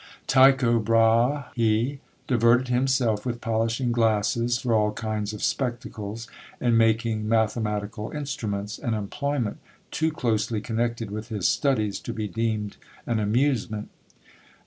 Tycho Brahe diverted himself with polishing glasses for all kinds of spectacles, and making mathematical instruments; an employment too closely connected with his studies to be deemed an amusement.